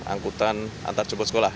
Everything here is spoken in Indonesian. angkutan antarceput sekolah